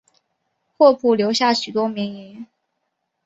霍普留下许多名言。